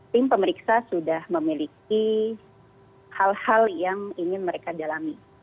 tim pemeriksa sudah memiliki hal hal yang ingin mereka dalami